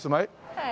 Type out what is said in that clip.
はい。